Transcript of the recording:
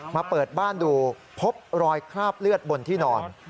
มาเปิดบ้านดูพบรอยคราบเลือดบนที่นอน